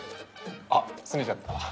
あすねちゃった。